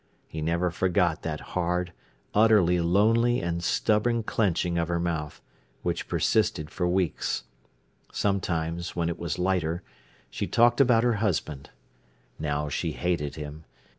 He never forgot that hard, utterly lonely and stubborn clenching of her mouth, which persisted for weeks. Sometimes, when it was lighter, she talked about her husband. Now she hated him.